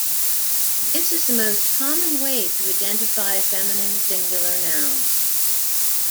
This is the most common way to identify feminine singular nouns.